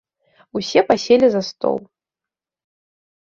Усе паселі за стол.